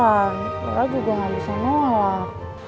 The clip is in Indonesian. opa juga gak bisa nolak